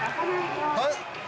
はい？